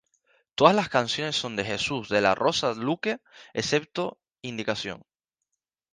Todas las canciones son de Jesús de la Rosa Luque, excepto indicación.